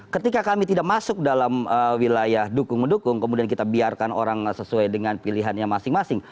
ketika kami tidak masuk dalam wilayah dukung mendukung kemudian kita biarkan orang sesuai dengan pilihannya masing masing